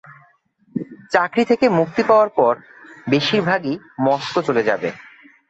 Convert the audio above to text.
চাকরি থেকে মুক্তি পাওয়ার পর, বেশিরভাগই মস্কো চলে যাবে।